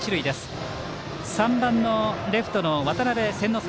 バッター３番のレフトの渡邉千之亮。